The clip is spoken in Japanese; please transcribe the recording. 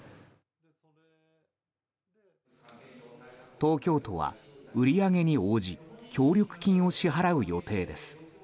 東京都は売り上げに応じ協力金を支払う予定です。